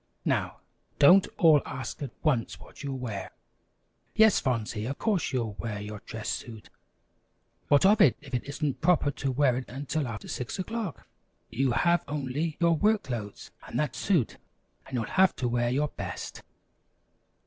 Now don't all ask at once what you'll wear. Yes, Fonsey, of course you'll wear your dress suit. What of it if it isn't proper to wear it until after six o'clock? You have only your work clothes and that suit and you'll have to wear your best."